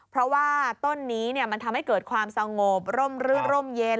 เพราะว่าต้นนี้มันทำให้เกิดความสงบร่มรื่นร่มเย็น